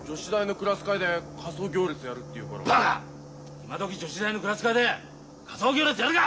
今どき女子大のクラス会で仮装行列やるか！